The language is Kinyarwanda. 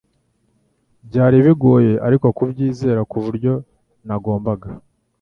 byari bigoye ariko kubyizera kuburyo nagombaga